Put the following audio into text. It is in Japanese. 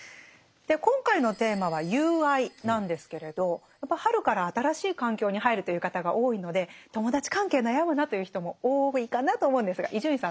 今回のテーマは「友愛」なんですけれどやっぱ春から新しい環境に入るという方が多いので友達関係悩むなという人も多いかなと思うんですが伊集院さんどうですか？